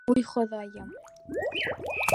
Уй, Хоҙайым!